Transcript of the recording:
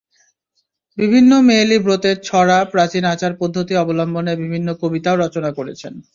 বিভিন্ন মেয়েলি ব্রতের ছড়া, প্রাচীন আচার-পদ্ধতি অবলম্বনে বিভিন্ন কবিতাও রচনা করেছেন।